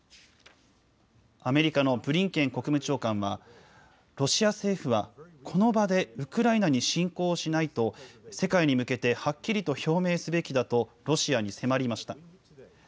アメリカのブリンケン国務長官は、ロシア政府はこの場でウクライナに侵攻しないと、世界に向けてはっきりと表明すべきだと、ロシアに迫りました。